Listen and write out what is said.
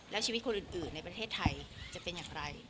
และชีวิตคนอื่นในประเทศไทยจะเป็นอย่างไร